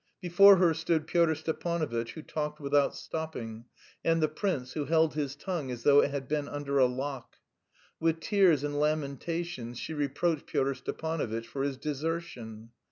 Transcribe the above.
Before her stood Pyotr Stepanovitch, who talked without stopping, and the prince, who held his tongue as though it had been under a lock. With tears and lamentations she reproached Pyotr Stepanovitch for his "desertion."